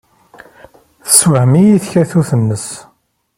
Tessewham-iyi tkatut-nnes.